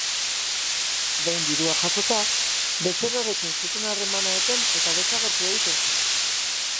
Behin dirua jasota, bezeroarekin zuten harremana eten eta desagertu egiten ziren.